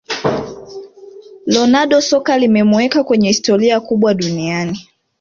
ronaldo soka limemuweka kwenye historia kubwa duniani